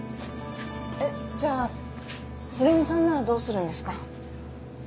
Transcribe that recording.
えじゃあ大海さんならどうするんですか？